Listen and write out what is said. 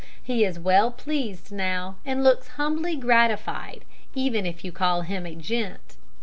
He is well pleased now, and looks humbly gratified even if you call him a gent.